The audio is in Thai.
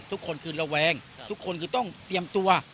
ทุกคนคือระแวงทุกคนคือต้องเตรียมตัว